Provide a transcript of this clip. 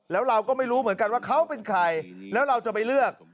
แล้วเราก็ไม่รู้เหมือนกันว่าเขาเป็นใครแล้วเราจะไปเลือก